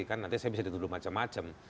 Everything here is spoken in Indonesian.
kan nanti saya bisa dituduh macam macam